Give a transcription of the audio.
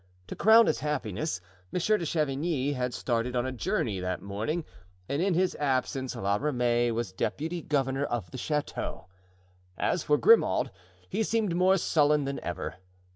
To crown his happiness, Monsieur de Chavigny had started on a journey that morning and in his absence La Ramee was deputy governor of the chateau. As for Grimaud, he seemed more sullen than ever.